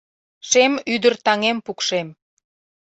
- Шем ӱдыр таҥем пукшем.